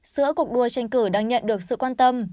sữa cuộc đua tranh cử đang nhận được sự quan tâm